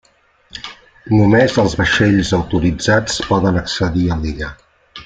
Només els vaixells autoritzats poden accedir a l'illa.